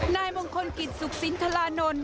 นายมงคลกิจสุขสินทรานนท์